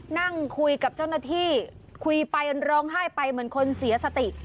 นั่งคุยกับเจ้าหน้าที่คุยไปร้องไห้ไปเหมือนคนเสียสติ